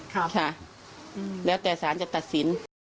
ค่ะแล้วแต่สารจะตัดสิน